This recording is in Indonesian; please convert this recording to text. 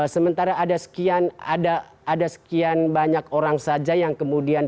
sementara ada sekian banyak orang saja yang kemudian